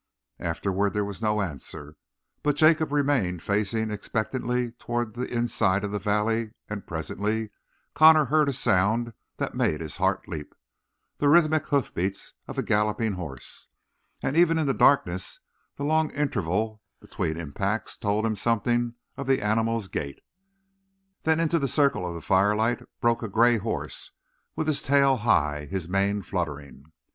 Afterward there was no answer, but Jacob remained facing expectantly toward the inside of the valley and presently Connor heard a sound that made his heart leap, the rhythmic hoofbeats of a galloping horse; and even in the darkness the long interval between impacts told him something of the animal's gait. Then into the circle of the firelight broke a gray horse with his tail high, his mane fluttering.